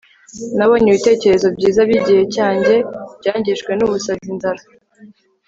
nabonye ibitekerezo byiza byigihe cyanjye byangijwe nubusazi, inzara